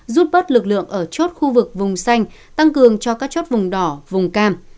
rút bớt lực lượng ở chốt khu vực vùng xanh tăng cường cho các chốt vùng đỏ vùng cam